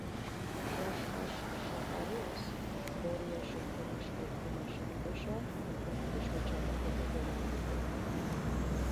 ჟაშხაშ შაყარუას ბორიაშ ოქუმიშ გედგუმაშ ამბეშა ხონარიშ მეჩამაქ ოკო გემანჯუკო.